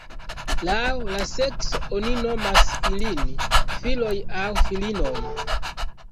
Laŭ la sekso oni nomas ilin filoj aŭ filinoj.